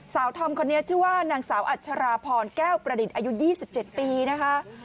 สาวธอมคนนี้ชื่อว่านางสาวอัชราพรแก้วประดิษฐ์อายุ๒๗ปีนะคะ